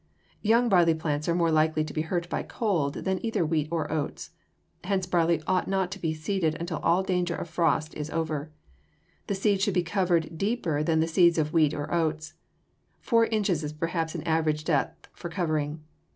Young barley plants are more likely to be hurt by cold than either wheat or oats. Hence barley ought not to be seeded until all danger from frost is over. The seeds should be covered deeper than the seeds of wheat or of oats. Four inches is perhaps an average depth for covering.